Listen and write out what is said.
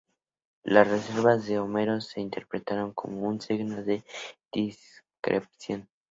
Las reservas de Homero se interpretaron como un signo de discreción.